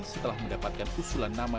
setelah mendapatkan usulan nama